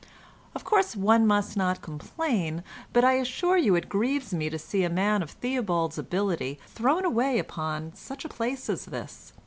"Of course one must not complain, but I assure you it grieves me to see a man of Theobald's ability thrown away upon such a place as this.